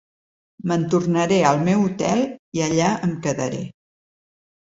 Me'n tornaré al meu hotel i allà em quedaré.